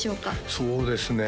そうですね